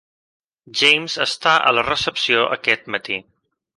James està a la recepció aquest matí